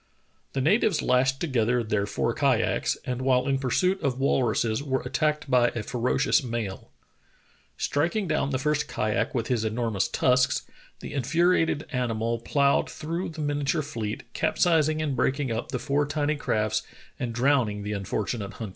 The natives lashed together their four kayaks, and while in pursuit of walruses were attacked by a ferocious male. Striking down the first kayak with his enormous tusks, the in furiated animal ploughed through the miniature fleet, capsizing and breaking up the four tiny crafts and drowning the unfortunate hunters.